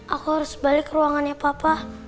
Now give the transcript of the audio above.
aku harus balik ke ruangannya papa